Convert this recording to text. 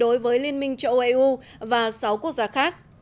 đối với liên minh châu âu eu và sáu quốc gia khác